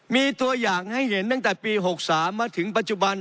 มีตัวอย่างให้เห็นตั้งแต่ปี๖๓มาถึงปัจจุบัน